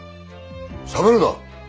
しゃべるな！